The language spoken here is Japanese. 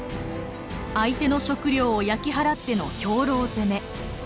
相手の食糧を焼き払っての兵糧攻め。